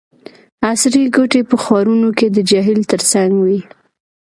عصري کوټي په ښارونو کې د جهیل ترڅنګ وي